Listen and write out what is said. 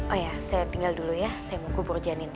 oh ya saya tinggal dulu ya saya mau kubur janin